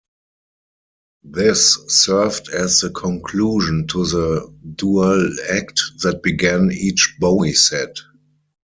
This served as the conclusion to the dual act that began each Bowie set.